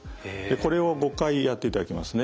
これを５回やっていただきますね。